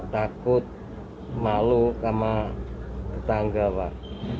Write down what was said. takut malu sama tetangga pak